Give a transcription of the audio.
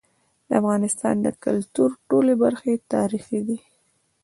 د افغانستان د کلتور ټولي برخي تاریخي دي.